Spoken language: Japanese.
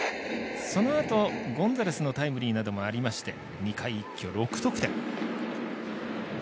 そのあと、ゴンザレスのタイムリーなどもありまして２回、一挙６得点。